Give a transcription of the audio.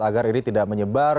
agar ini tidak menyebar